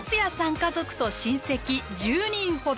家族と親戚１０人ほど。